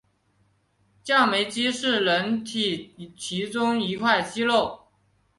降眉肌是人体其中一块肌肉。